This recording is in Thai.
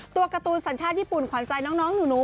ตัวการ์ตูนสัญชาติญี่ปุ่นขวัญใจน้องหนู